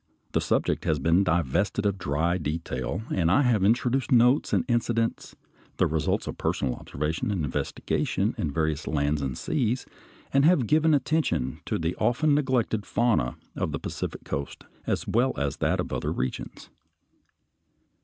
The subject has been divested of dry detail, and I have introduced notes and incidents, the results of personal observation and investigation in various lands and seas, and have given attention to the often neglected fauna of the Pacific coast as well as that of other regions.